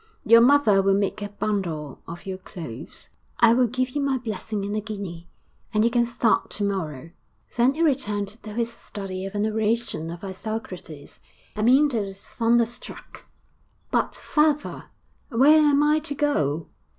Your mother will make a bundle of your clothes; I will give you my blessing and a guinea, and you can start to morrow.' Then he returned to his study of an oration of Isocrates. Amyntas was thunder struck. 'But, father, where am I to go?'